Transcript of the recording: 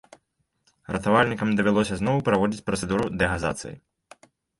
Ратавальнікам давялося зноў праводзіць працэдуру дэгазацыі.